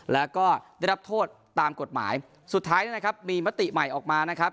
แล้วก็ได้รับโทษตามกฎหมายสุดท้ายนะครับมีมติใหม่ออกมานะครับ